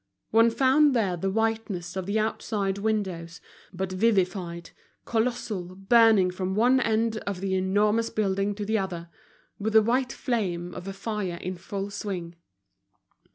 One found there the whiteness of the outside windows, but vivified, colossal, burning from one end of the enormous building to the other, with the white flame of a fire in full swing.